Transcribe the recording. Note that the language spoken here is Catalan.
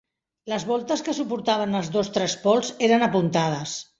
Les voltes que suportaven els dos trespols eren apuntades.